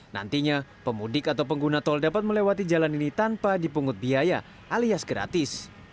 nantinya pemudik atau pengguna tol dapat melewati jalan ini tanpa dipungut biaya alias gratis